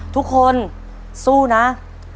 ทุกคนสู้นะ